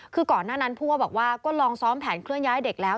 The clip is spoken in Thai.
คือก่อนหน้านั้นผู้ว่าบอกว่าก็ลองซ้อมแผนเคลื่อนย้ายเด็กแล้ว